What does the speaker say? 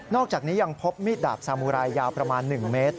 อกจากนี้ยังพบมีดดาบสามุรายยาวประมาณ๑เมตร